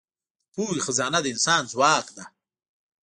د پوهې خزانه د انسان ځواک ده.